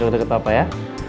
duduk dekat papa ya